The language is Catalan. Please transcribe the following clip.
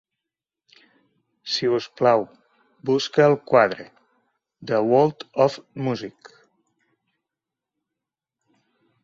Si us plau, busca el quadre "The World of Music".